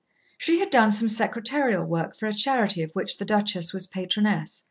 She had done some secretarial work for a charity of which the duchess was patroness.